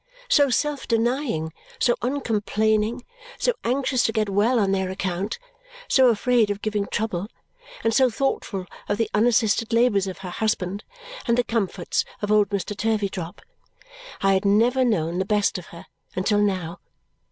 So self denying, so uncomplaining, so anxious to get well on their account, so afraid of giving trouble, and so thoughtful of the unassisted labours of her husband and the comforts of old Mr. Turveydrop; I had never known the best of her until now.